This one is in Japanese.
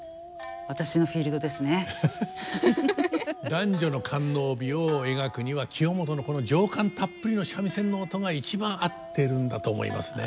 男女の官能美を描くには清元のこの情感たっぷりの三味線の音が一番合ってるんだと思いますね。